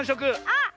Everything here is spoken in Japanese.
あっ！